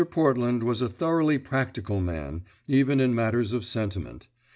Portland was a thoroughly practical man, even in matters of sentiment.